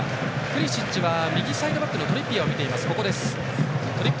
プリシッチは右サイドバックのトリッピアーを見ています。